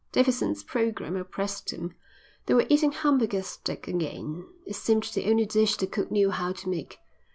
Davidson's programme oppressed him. They were eating Hamburger steak again. It seemed the only dish the cook knew how to make.